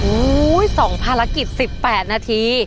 โอ้โฮ๒ภารกิจ๑๘นาที